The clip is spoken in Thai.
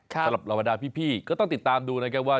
สำหรับเหล่าบรรดาพี่ก็ต้องติดตามดูนะครับว่า